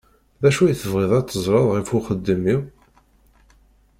D acu i tebɣiḍ ad teẓṛeḍ ɣef uxeddim-iw?